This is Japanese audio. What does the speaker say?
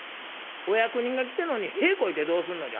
お役人が来てんのに屁こいてどうすんのじゃ。